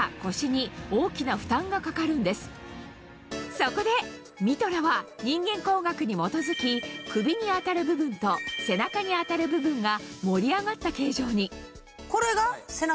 そこでミトラは人間工学に基づき首に当たる部分と背中に当たる部分が盛り上がった形状にこれが背中？